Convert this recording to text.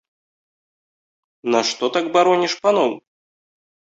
Нашто так бароніш паноў?